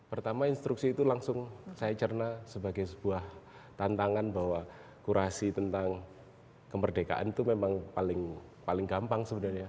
pertama instruksi itu langsung saya cerna sebagai sebuah tantangan bahwa kurasi tentang kemerdekaan itu memang paling gampang sebenarnya